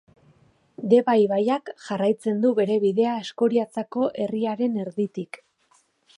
Deba ibaiak jarraitzen du bere bidea Eskoriatzako herriaren erditik.